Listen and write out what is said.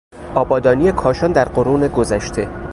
آبادانی کاشان در قرون گذشته